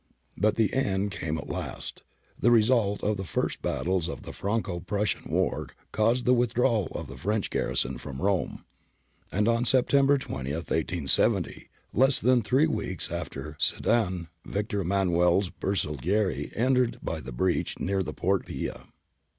But the end came at last. The result of the first battles in the Franco Prussian war caused the with drawal of the French garrison from Rome, and on Sep tember 20, 1870, less than three weeks after Sedan, Victor Emmanuel's Hersaglieri entered by the breach near the Porta Pia.